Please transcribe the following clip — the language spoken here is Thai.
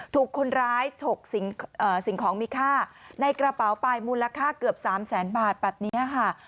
ถูกคนร้ายฉกสิ่งของมีค่าในกระเป๋าไปมูลค่าเกือบ๓แสนบาทแบบนี้ค่ะ